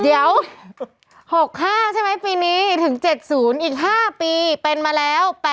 เดี๋ยวหกห้าใช่ไหมปีนี้ถึงเจ็ดศูนย์อีกห้าปีเป็นมาแล้ว